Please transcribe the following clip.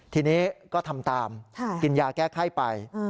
ทีนี้ก็ทำตามกินยาแก้ไข้ไป